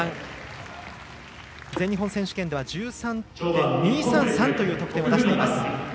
全日本選手権では１３．２３３という得点も出しています。